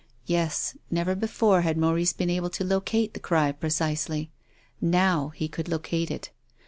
Yes, never be fore had Maurice been able to locate the cry pre cisely. Now he could locate it.